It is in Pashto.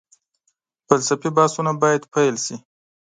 فلسفي بحثونه باید پيل شي.